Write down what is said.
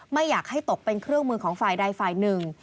ไม่อยากให้ตกเป็นเครื่องมือของฝ่ายใดฝ่ายหนึ่ง